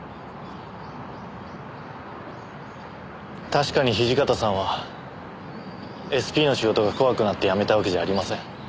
確かに土方さんはＳＰの仕事が怖くなって辞めたわけじゃありません。